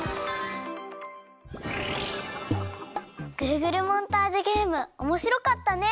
ぐるぐるモンタージュゲームおもしろかったね。